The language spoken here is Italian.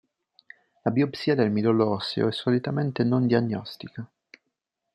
La biopsia del midollo osseo è solitamente non diagnostica.